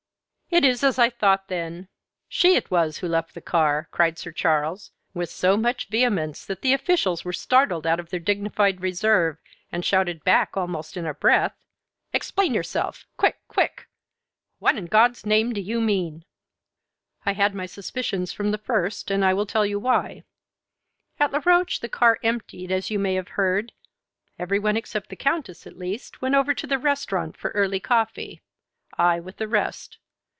"It is as I thought, then. She it was who left the car!" cried Sir Charles, with so much vehemence that the officials were startled out of their dignified reserve, and shouted back almost in a breath: "Explain yourself. Quick, quick. What in God's name do you mean?" "I had my suspicions from the first, and I will tell you why. At Laroche the car emptied, as you may have heard; every one except the Countess, at least, went over to the restaurant for early coffee; I with the rest.